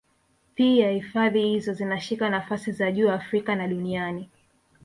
Pia hifadhi hizo zinashika nafasi za juu Afrika na duniani